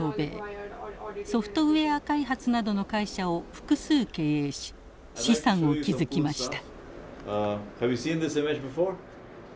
ソフトウエア開発などの会社を複数経営し資産を築きました。